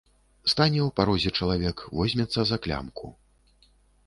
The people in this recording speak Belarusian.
Стане ў парозе чалавек, возьмецца за клямку.